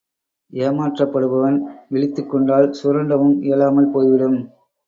ஏமாற்றப்படுபவன் விழித்துக் கொண்டால் சுரண்டவும் இயலாமல் போய் விடும்!